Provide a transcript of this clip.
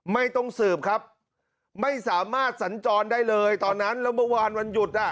ไม่ต้องสืบครับไม่สามารถสัญจรได้เลยตอนนั้นแล้วเมื่อวานวันหยุดอ่ะ